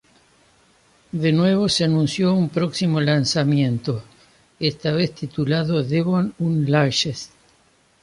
De nuevo se anunció un próximo lanzamiento, esta vez titulado "Devon Unleashed".